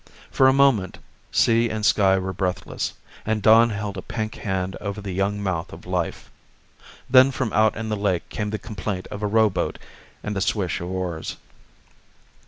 For a moment sea and sky were breathless, and dawn held a pink hand over the young mouth of life then from out in the lake came the complaint of a rowboat and the swish of oars.